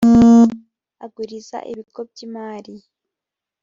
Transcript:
aguriza ibigo byimari